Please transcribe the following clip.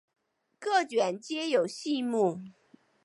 各卷皆有细目。